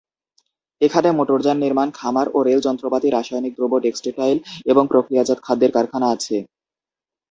এখানে মোটরযান নির্মাণ, খামার ও রেল যন্ত্রপাতি, রাসায়নিক দ্রব্য, টেক্সটাইল এবং প্রক্রিয়াজাত খাদ্যের কারখানা আছে।